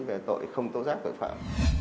về tội không tố giác tội phạm